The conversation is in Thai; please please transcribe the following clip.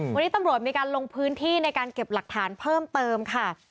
วันนี้ตำรวจมีการลงพื้นที่ในการเก็บหลักฐานเพิ่มเติมค่ะ